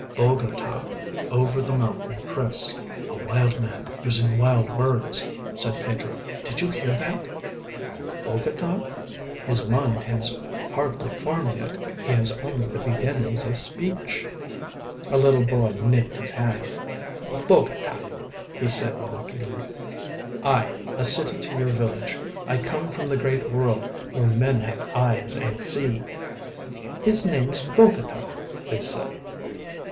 "Bogota. Over the mountain crests." "A wild man—using wild words," said Pedro. "Did you hear that— "Bogota? His mind has hardly formed yet. He has only the beginnings of speech." A little boy nipped his hand. "Bogota!" he said mockingly. "Aye! A city to your village. I come from the great world—where men have eyes and see." "His name's Bogota," they said.